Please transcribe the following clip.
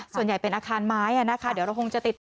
ส่วนใหญ่เป็นอาคารไม้นะคะเดี๋ยวเราคงจะติดต่อ